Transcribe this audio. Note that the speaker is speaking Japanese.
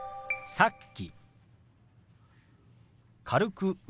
「さっき」。